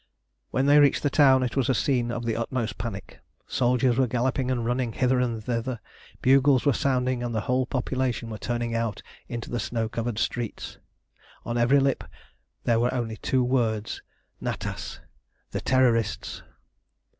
When they reached the town it was a scene of the utmost panic. Soldiers were galloping and running hither and thither, bugles were sounding, and the whole population were turning out into the snow covered streets. On every lip there were only two words "Natas!" "The Terrorists!"